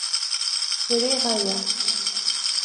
Sriɣ aya.